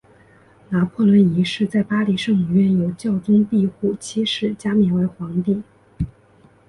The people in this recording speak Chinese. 拿破仑一世在巴黎圣母院由教宗庇护七世加冕为皇帝。